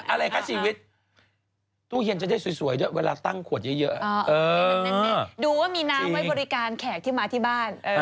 อะไรคะชีวิตตู้เย็นจะได้สวยด้วยเวลาตั้งขวดเยอะดูว่ามีน้ำไว้บริการแขกที่มาที่บ้าน